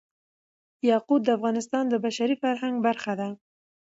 یاقوت د افغانستان د بشري فرهنګ برخه ده.